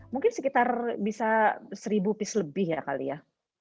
mungkin sekitar bisa seribu piece lebih ya kali ya